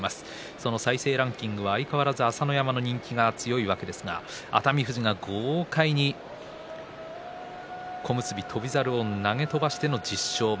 その再生ランキングでは相変わらず朝乃山の人気が強いわけですが熱海富士が豪快に小結翔猿を投げ飛ばしての１０勝目。